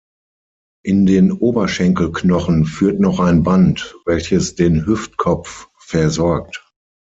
In den Oberschenkelknochen führt noch ein Band, welches den Hüftkopf versorgt.